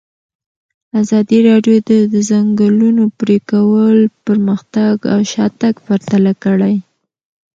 ازادي راډیو د د ځنګلونو پرېکول پرمختګ او شاتګ پرتله کړی.